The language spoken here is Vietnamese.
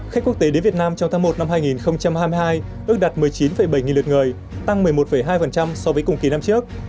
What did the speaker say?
khách quốc tế đến việt nam trong tháng một năm hai nghìn hai mươi hai ước đạt một mươi chín bảy nghìn lượt người tăng một mươi một hai so với cùng kỳ năm trước